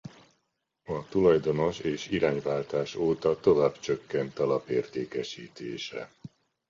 A tulajdonos- és irányváltás óta tovább csökkent a lap értékesítése.